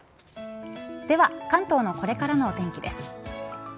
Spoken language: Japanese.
では関東のこれからのお天気です。